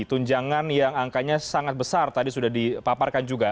tunjangan yang angkanya sangat besar tadi sudah dipaparkan juga